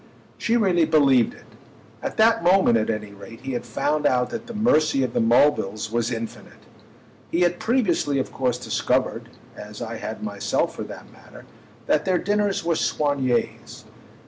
She really believed it. At that moment, at any rate, he had found out that the mercy of the Mulvilles was infinite. He had previously of course discovered, as I had myself for that matter, that their dinners were soignés.